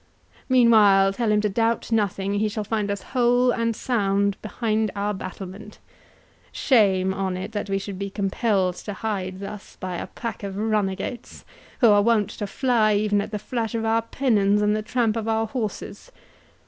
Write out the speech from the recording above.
Meanwhile, tell him to doubt nothing, he shall find us whole and sound behind our battlement—Shame on it, that we should be compelled to hide thus by a pack of runagates, who are wont to fly even at the flash of our pennons and the tramp of our horses!